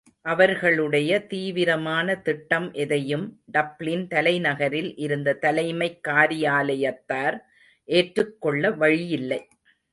அவர்களுடைய தீவிரமான திட்டம் எதையும் டப்ளின் தலைநகரில் இருந்த தலைமைக் காரியாலயத்தார் ஏற்றுக்கொள்ளவழியில்லை.